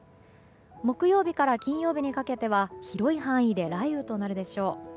木曜日から金曜日にかけては広い範囲で雷雨となるでしょう。